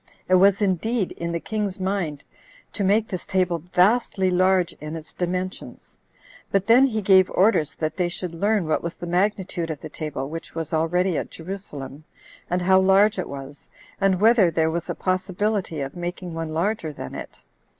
It was indeed in the king's mind to make this table vastly large in its dimensions; but then he gave orders that they should learn what was the magnitude of the table which was already at Jerusalem, and how large it was, and whether there was a possibility of making one larger than it.